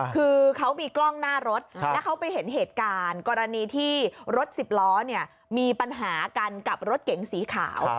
คือเขามีกล้องหน้ารถแล้วเขาไปเห็นเหตุการณ์กรณีที่รถสิบล้อเนี่ยมีปัญหากันกับรถเก๋งสีขาว